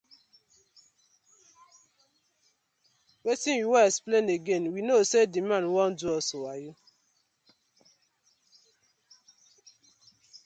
Wetin yu won explain again, we kno sey the man wan do us wayo.